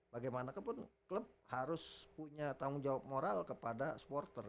bagaimanapun klub harus punya tanggung jawab moral kepada supporter